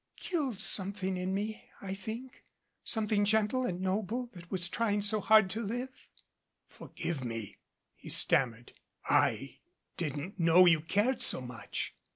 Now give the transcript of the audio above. "Killed something in me I think something gentle and noble that was trying so hard to live " "Forgive me," he stammered. "I didn't know you cared so much."